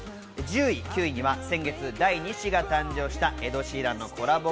１０位、９位には先月、第２子が誕生したエド・シーランのコラボ